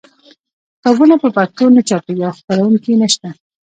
کتابونه په پښتو نه چاپېږي او خپرونکي یې نشته.